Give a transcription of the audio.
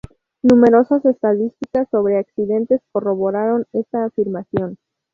Numerosas estadísticas sobre accidentes corroboran esta afirmación.